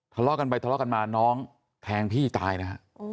ทะเลาะกันไปทะเลาะกันมาน้องแทงพี่ตายนะฮะ